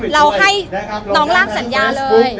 เราให้น้องล่างสัญญาเลย